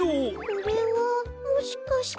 これはもしかして？